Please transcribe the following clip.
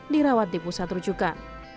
di rawat di pusat rujukan